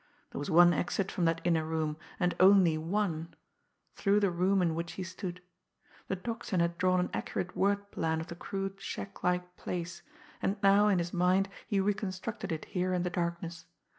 There was one exit from that inner room, and only one through the room in which he stood. The Tocsin had drawn an accurate word plan of the crude, shack like place, and now in his mind he reconstructed it here in the darkness.